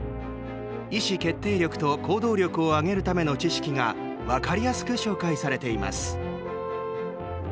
意思決定力と行動力を上げるための知識が分かりやすく紹介されています。